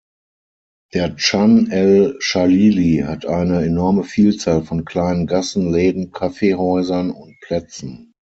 Der Chan el-Chalili hat eine enorme Vielzahl von kleinen Gassen, Läden, Kaffeehäusern und Plätzen.